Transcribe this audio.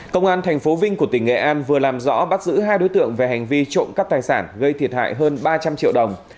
công an tp vinh của tỉnh nghệ an vừa làm rõ bắt giữ hai đối tượng về hành vi trộm cắp tài sản gây thiệt hại hơn ba trăm linh triệu đồng